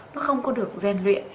nó không có được gian luyện